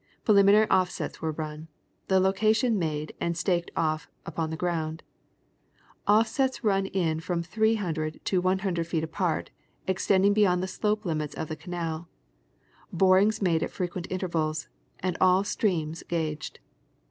Pre liminary offsets were run ; the location made, and staked off upon the ground ; offsets run in from three hundred to one hundred feet apart, extending beyond the slope limits of the canal; borings made at frequent intervals ; and all streams gauged.